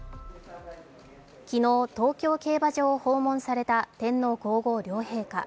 昨日、東京競馬場を訪問された天皇皇后両陛下。